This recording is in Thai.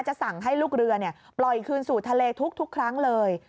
สั่งให้ลูกเรือปล่อยคืนสู่ทะเลทุกครั้งเลย